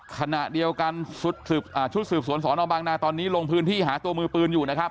ขณะเดียวกันชุดสืบสวนสอนอบางนาตอนนี้ลงพื้นที่หาตัวมือปืนอยู่นะครับ